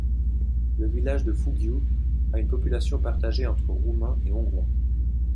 Le village de Fughiu a une population partagée entre Roumains et Hongrois.